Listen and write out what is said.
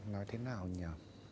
nói thế nào nhỉ